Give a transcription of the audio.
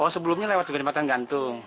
oh sebelumnya lewat juga jembatan gantung